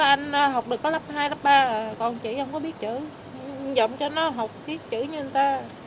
miệng giọng cho nó học biết chữ như người ta